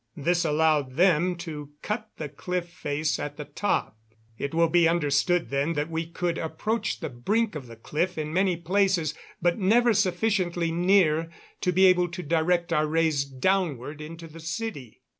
This allowed them to cut the cliff face at the top. It will be understood then that we could approach the brink of the cliff in many places, but never sufficiently near to be able to direct our rays downward into the city.